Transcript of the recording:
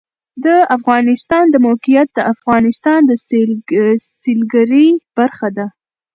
د افغانستان د موقعیت د افغانستان د سیلګرۍ برخه ده.